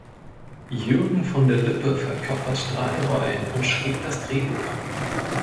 Jürgen von der Lippe verkörpert drei Rollen und schrieb das Drehbuch.